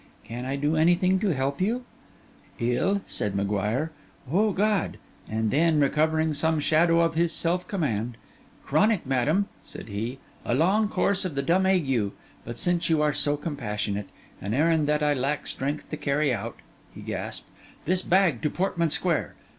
'Can I do anything to help you?' 'Ill?' said M'Guire. 'O God!' And then, recovering some shadow of his self command, 'Chronic, madam,' said he: 'a long course of the dumb ague. But since you are so compassionate—an errand that I lack the strength to carry out,' he gasped—'this bag to Portman Square.